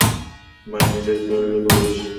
By নিজের খেয়াল রেখো বিশ রূপি রাখেন সাহবে?